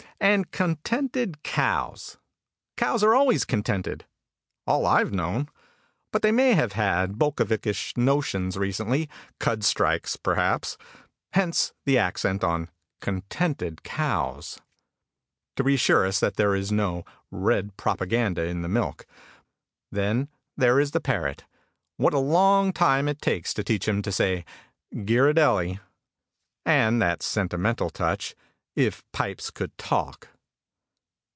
And "contented cows." Cows are always contented. All I've known. But they may have had bolshevikish notions recently, cud strikes, perhaps. Hence the accent on "contented cows," to reassure us that there is no "Red" propaganda in the milk. Then, there is the parrot; what a long time it takes to teach him to say "Gear ardelly." And that sentimental touch, "If pipes could talk."